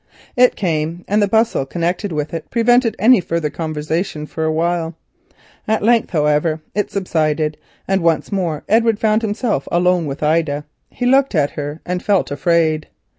It came, and the bustle connected with it prevented any further conversation for a while. At length, however, it subsided, and once more Edward found himself alone with Ida. He looked at her and felt afraid.